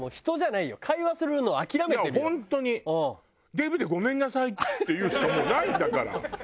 「デブでごめんなさい」って言うしかもうないんだから。